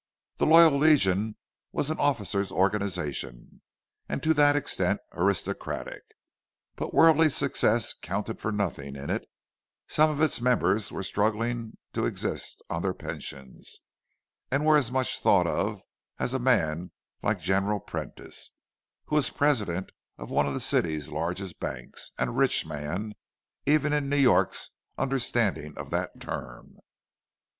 The Loyal Legion was an officers' organization, and to that extent aristocratic; but worldly success counted for nothing in it—some of its members were struggling to exist on their pensions, and were as much thought of as a man like General Prentice, who was president of one of the city's largest banks, and a rich man, even in New York's understanding of that term.